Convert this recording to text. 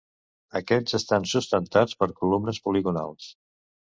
Aquests estan sustentats per columnes poligonals.